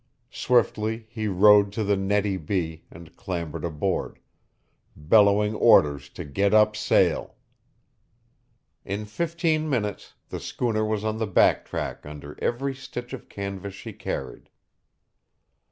Swiftly he rowed to the Nettie B. and clambered aboard, bellowing orders to get up sail. In fifteen minutes the schooner was on the back track under every stitch of canvas she carried.